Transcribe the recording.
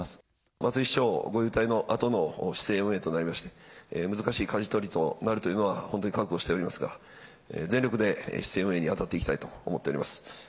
松井市長ご勇退のあとの市政運営となりまして、難しいかじ取りとなるというのは、本当に覚悟しておりますが、全力で市政運営に当たっていきたいと思っております。